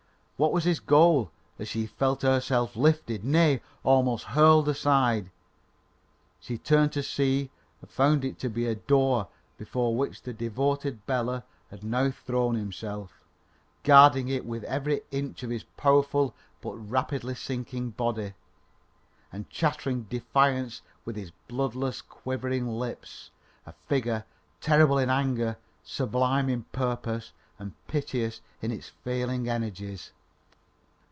What was this goal? As she felt herself lifted, nay, almost hurled aside, she turned to see and found it to be a door before which the devoted Bela had now thrown himself, guarding it with every inch of his powerful but rapidly sinking body, and chattering defiance with his bloodless, quivering lips a figure terrible in anger, sublime in purpose, and piteous in its failing energies.